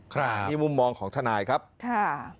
ครับนี่มุมมองของทนายครับค่ะ